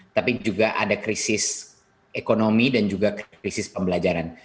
tapi juga ada krisis ekonomi dan juga krisis pembelajaran